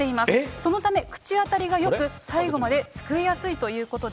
そのため、口当たりがよく、最後まですくいやすいということで。